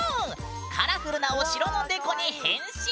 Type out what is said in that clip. カラフルなお城のデコに変身！